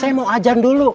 saya mau ajan dulu